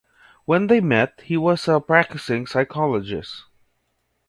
When they met he was a practicing Scientologist.